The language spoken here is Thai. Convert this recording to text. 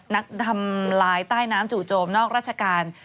นักทำลายใต้น้ำจู่โจมนอกราชการ